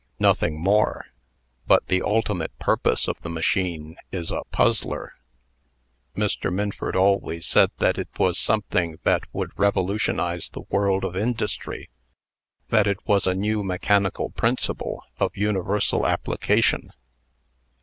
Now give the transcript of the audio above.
Nothing more. But the ultimate purpose of the machine is a puzzler." "Mr. Minford always said that it was something that would revolutionize the world of industry that it was a new mechanical principle of universal application."